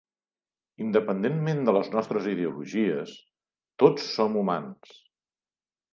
Independentment de les nostres ideologies, tots som humans.